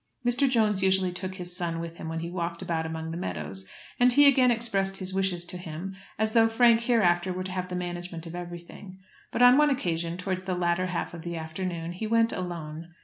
Mr. Jones usually took his son with him when he walked about among the meadows, and he again expressed his wishes to him as though Frank hereafter were to have the management of everything. But on one occasion, towards the latter half of the afternoon, he went alone.